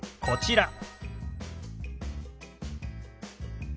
こちら。